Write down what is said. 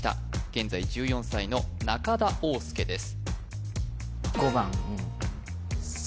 現在１４歳の中田旺佑です